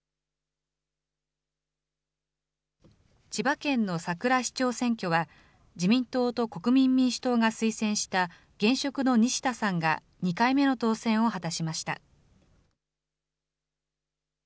千葉県の佐倉市長選挙は、自民党と国民民主党が推薦した現職の西田さんが２回目の当選を果たしました。